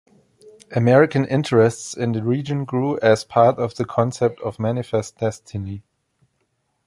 American interests in the region grew as part of the concept of manifest destiny.